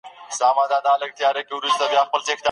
ځینې یې یوازې د ویبپاڼو نوم یادوي.